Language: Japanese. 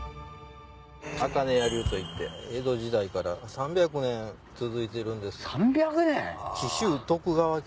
茜屋流といって江戸時代から３００年続いてるんです。